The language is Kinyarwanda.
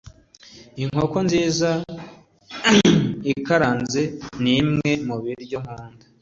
Inkoko nziza ikaranze nimwe mubiryo nkunda.